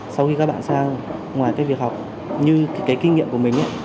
sau khi các bạn sang ngoài cái việc học như cái kinh nghiệm của mình